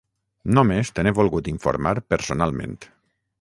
Només te n'he volgut informar personalment.